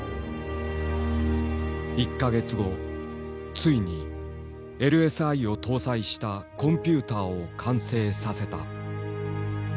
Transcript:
１か月後ついにＬＳＩを搭載したコンピューターを完成させた。